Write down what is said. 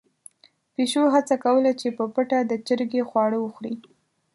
پيشو هڅه کوله چې په پټه د چرګې خواړه وخوري.